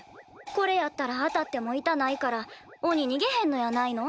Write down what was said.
これやったら当たっても痛ないから鬼にげへんのやないの？